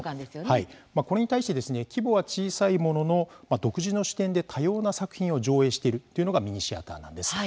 これに対して規模は小さいものの独自の視点で多様な作品を上映しているっていうのがミニシアターなんです。